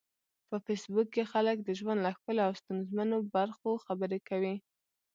په فېسبوک کې خلک د ژوند له ښکلو او ستونزمنو برخو خبرې کوي